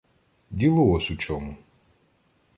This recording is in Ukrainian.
Діло ось у чому.